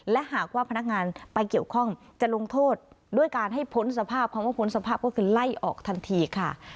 และหากว่าพนักงานไปเกี่ยวข้องจะลงโทษด้วยการให้พ้นสภาพคำว่าพ้นสภาพก็คือไล่ออกทันทีค่ะ